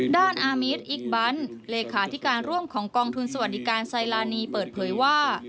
อามีทอิ๊กบันเลขาธิการร่วมของกองทุนสวัสดิการไซลานีเปิดเผยว่า